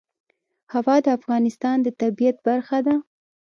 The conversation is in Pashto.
هوا د افغانستان د طبیعت برخه ده.